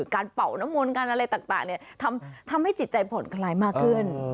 เป่าน้ำมนต์การอะไรต่างทำให้จิตใจผ่อนคลายมากขึ้น